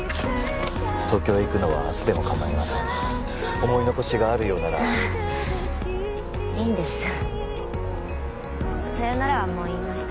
東京へ行くのは明日でも構いません思い残しがあるようならいいんですさよならはもう言いました